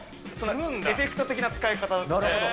エフェクト的な使い方。